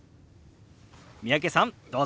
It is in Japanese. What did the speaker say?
三宅さんどうぞ。